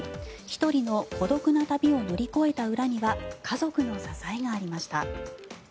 １人の孤独な旅を乗り越えた裏には家族の支えがありました。